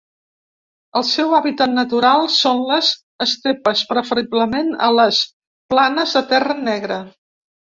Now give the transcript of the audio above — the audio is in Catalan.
El seu hàbitat natural són les estepes, preferiblement a les planes de terra negra.